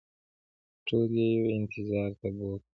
ټول یې یو انتظار ځای ته بوتلو.